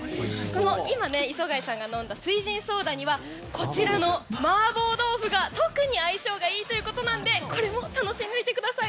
今、磯貝さんが飲んだ翠ジンソーダにはこちらの麻婆豆腐が特に相性がいいということなのでこれも楽しんでください。